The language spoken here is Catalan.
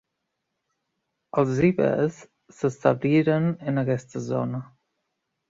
Els ibers s'establiren en aquesta zona.